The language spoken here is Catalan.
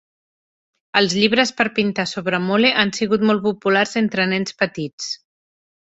Els llibres per pintar sobre Mole han sigut molt populars entre nens petits.